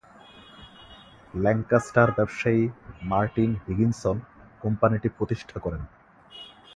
Lancaster ব্যবসায়ী Martin Higginson কোম্পানিটি প্রতিষ্ঠা করেন।